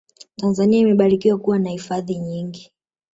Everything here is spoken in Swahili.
tanzania imebarikiwa kuwa na hifadhi nyingi